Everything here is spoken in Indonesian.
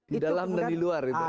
di dalam dan di luar gitu